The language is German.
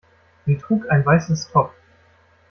Sie trug ein weißes Top.